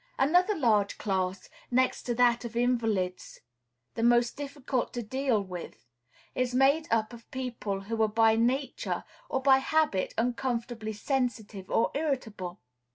Another large class, next to that of invalids the most difficult to deal with, is made up of people who are by nature or by habit uncomfortably sensitive or irritable.